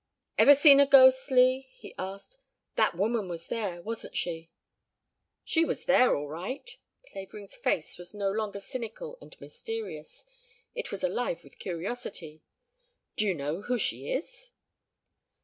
"Ever seen a ghost, Lee?" he asked. "That woman was there, wasn't she?" "She was there, all right." Clavering's face was no longer cynical and mysterious; it was alive with curiosity. "D'you know who she is?"